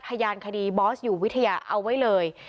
พยานคดีบอสอยู่วิทยาเอาไว้เลย